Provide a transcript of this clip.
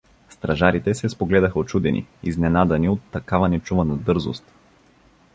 Стражарите се спогледаха учудени, изненадани от такава нечувана дързост.